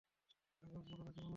কাগজ বড় নাকি মানুষ বড়।